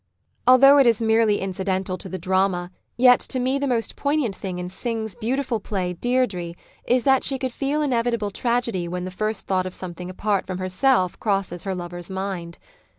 Although it is merely incidental to the drama, yet to me the most poignant thing in Synge's beautiful play Deirdre is that she could feel inevitable tragedy when the first thought of something apart from her self crosses her lover's mind.